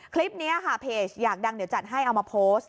คลิปนี้ค่ะเพจอยากดังเดี๋ยวจัดให้เอามาโพสต์